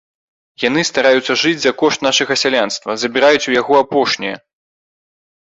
Яны стараюцца жыць за кошт нашага сялянства, забіраюць у яго апошняе.